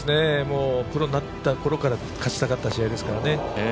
プロになったころから勝ちたかった試合ですからね。